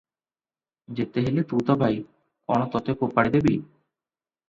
ଯେତେ ହେଲେ ତୁ ତ ଭାଇ, କ'ଣ ତୋତେ ଫୋପାଡ଼ି ଦେବି?